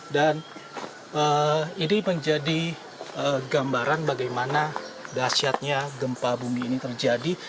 dan ini menjadi gambaran bagaimana dasyatnya gempa bumi ini terjadi